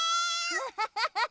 ハハハハハ。